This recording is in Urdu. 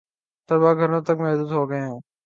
طلبا گھروں تک محدود ہو گئے ہیں